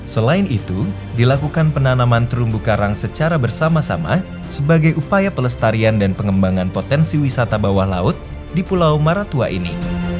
selain itu dilakukan penanaman terumbu karang secara bersama sama sebagai upaya pelestarian dan pengembangan potensi wisata bawah laut di pulau maratua ini